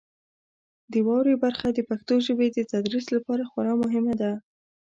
د واورئ برخه د پښتو ژبې د تدریس لپاره خورا مهمه ده.